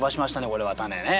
これは種ね。